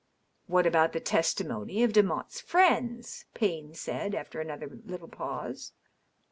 '* "What about the testimony of Demotte's friends?" Payne said, after another little pause.